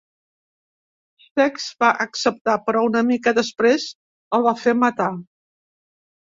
Sext va acceptar però una mica després el va fer matar.